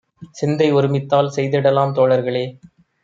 சிந்தை ஒருமித்தால் செய்திடலாம் தோழர்களே!